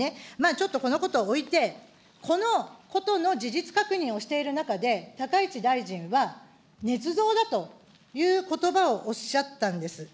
ちょっとこのことは置いて、このことの事実確認をしている中で、高市大臣は、ねつ造だということばをおっしゃったんです。